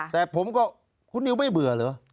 แต่ผมก็คุณนิวไม่เบื่อเหรอ